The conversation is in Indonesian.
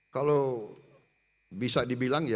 kalau bisa dibilang ya